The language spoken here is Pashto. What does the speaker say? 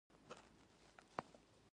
د افغانستان په شرقي سیمو کې پاته شوي.